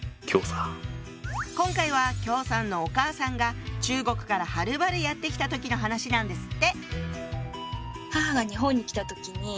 今回は姜さんのお母さんが中国からはるばるやって来た時の話なんですって。